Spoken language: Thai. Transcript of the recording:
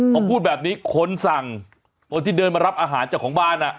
พอพูดแบบนี้คนสั่งคนที่เดินมารับอาหารจากของบ้าน